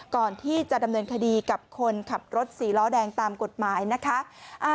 ก่อนที่จะดำเนินคดีกับคนขับรถสีล้อแดงตามกฎหมายนะคะ